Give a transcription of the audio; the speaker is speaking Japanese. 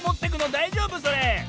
だいじょうぶそれ？